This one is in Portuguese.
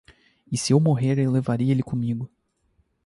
E se eu morrer, eu levarei ele comigo